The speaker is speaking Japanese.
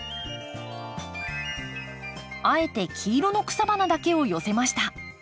あえて黄色の草花だけを寄せました。